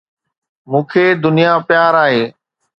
مون کي دنيا پيار آهي